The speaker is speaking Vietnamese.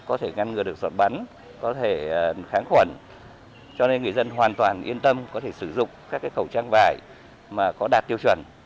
các khẩu trang vải chưa được dọn bắn có thể kháng khuẩn cho nên người dân hoàn toàn yên tâm có thể sử dụng các khẩu trang vải mà có đạt tiêu chuẩn